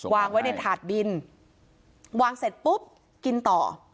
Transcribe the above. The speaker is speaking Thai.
วางไว้ในถาดดินวางเสร็จปุ๊บกินต่อ